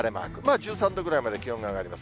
１３度ぐらいまで気温が上がります。